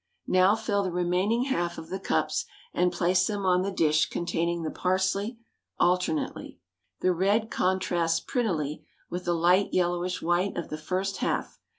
Now fill the remaining half of the cups, and place them on the dish containing the parsley, alternately. The red contrasts prettily with the light yellowish white of the first half.